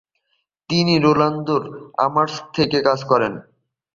তিনি নেদারল্যান্ডসের আমস্টারডাম থেকে কাজ করেন।